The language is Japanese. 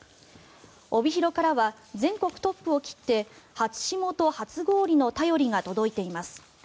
帯広からは全国トップを切って初霜と初氷の便りが届いています。